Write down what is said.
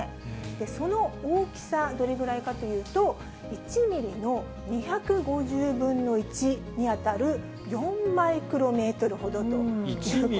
その大きさ、どれぐらいかというと、１ミリの２５０分の１に当たる、４マイクロメートルほどということなんですね。